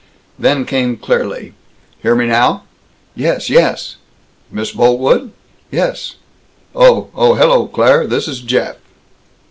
Then came clearly, "Hear me now?" "Yes! Yes!" "Miss Boltwood?" "Yes?" "Oh. Oh, hello, Claire. This is Jeff."